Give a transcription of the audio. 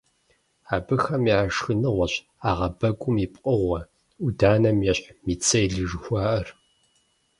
Абыхэм я шхыныгъуэщ ӏэгъэбэгум и пкъыгъуэ, ӏуданэм ещхь, мицелий жыхуаӏэр.